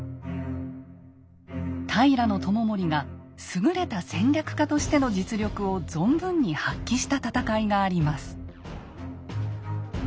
平知盛が優れた戦略家としての実力を存分に発揮した戦いがあります。